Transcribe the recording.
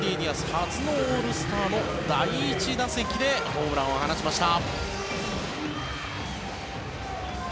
初のオールスターの第１打席でホームランを放ちました。